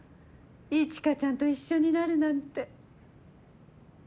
一華ちゃんと一緒になるなんて。